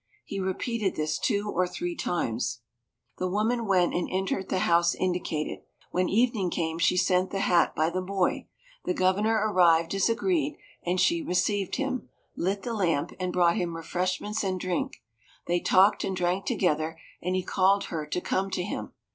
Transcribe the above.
He repeated this two or three times. The woman went and entered the house indicated. When evening came she sent the hat by the boy. The Governor arrived as agreed, and she received him, lit the lamp, and brought him refreshments and drink. They talked and drank together, and he called her to come to him.